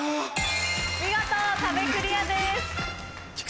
見事壁クリアです。